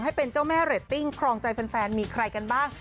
ให้เป็นเจ้าแม่เรตติ้งครองใจแฟนมีใครกันบ้าง